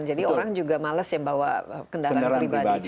jadi orang juga males yang bawa kendaraan pribadi